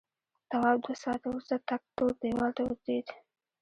تواب دوه ساعته وروسته تک تور دیوال ته ودرېد.